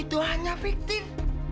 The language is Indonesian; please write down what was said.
itu hanya fiktif